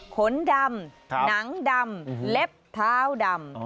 ขนดำหนังดำเล็บเท้าดำ